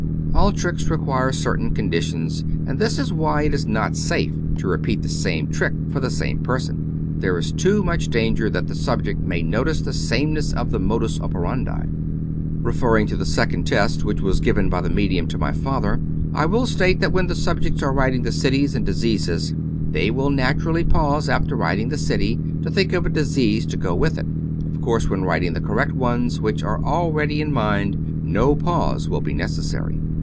All tricks re quire certain conditions, and this is why it is not safe to repeat the same trick for the same person. There is too much danger that the subject may notice the sameness of the modus operandi. Referring to the second test which was given by the medium to my father, I will state that when the subjects are writing the cities and diseases, they will naturally pause after writing the city, to think of a disease to go with it. Of course, when writing the correct ones, which are already in mind, no pause will be necessary.